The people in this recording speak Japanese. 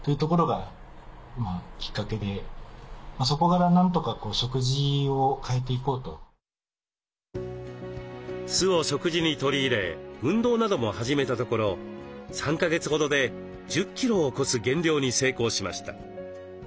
一念発起してなんとか酢を食事に取り入れ運動なども始めたところ３か月ほどで１０キロを超す減量に成功しました。